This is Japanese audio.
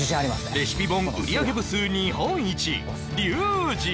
レシピ本売上部数日本一リュウジ